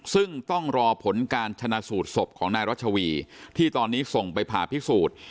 ซึ่งต้องรอผลการชนะสูตรศพของนายรัชวีที่ตอนนี้ส่งไปผ่าพิสูจน์